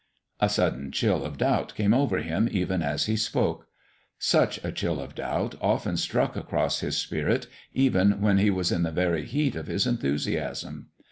A sudden chill of doubt came over him even as he spoke. Such a chill of doubt often struck across his spirit even when he was in the very heat of his enthusiasm.